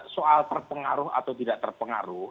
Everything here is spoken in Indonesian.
soal terpengaruh atau tidak terpengaruh